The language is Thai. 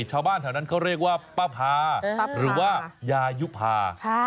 ชาวบ้านแถวนั้นเขาเรียกว่าป้าพาหรือว่ายายุภา